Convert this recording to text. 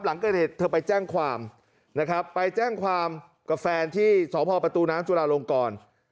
หลังเกิดเหตุเธอไปแจ้งความนะครับไปแจ้งความกับแฟนที่สพประตูน้ำจุลาลงกร